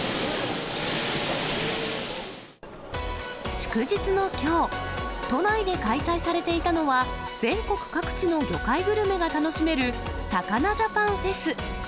祝日のきょう、都内で開催されていたのは、全国各地の魚介グルメが楽しめる、魚ジャパンフェス。